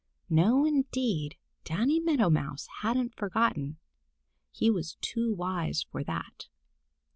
No, indeed, Danny Meadow Mouse hadn't forgotten. He was too wise for that.